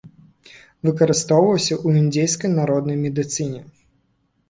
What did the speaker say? Выкарыстоўваўся ў індзейскай народнай медыцыне.